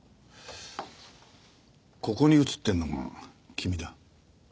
ここに写ってるのが君だ。